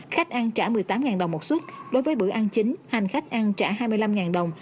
khách ăn trả một mươi tám đồng một suất đối với bữa ăn chính hành khách ăn trả hai mươi năm đồng